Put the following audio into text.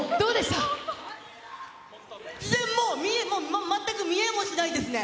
全然もう、見えない、全く見えもしないですね。